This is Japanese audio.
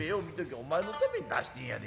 お前のために出してんやで。